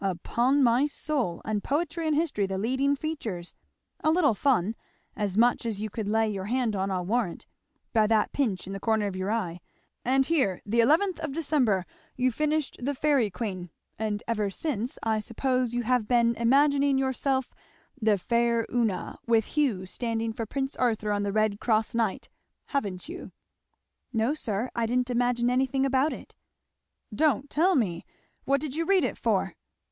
upon my soul! and poetry and history the leading features! a little fun, as much as you could lay your hand on I'll warrant, by that pinch in the corner of your eye. And here, the eleventh of December, you finished the Fairy Queen; and ever since, I suppose, you have been imagining yourself the 'faire Una,' with Hugh standing for Prince Arthur or the Red cross knight, haven't you?" "No sir. I didn't imagine anything about it." "Don't tell me! What did you read it for?"